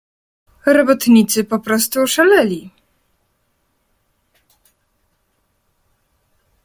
"Robotnicy poprostu oszaleli."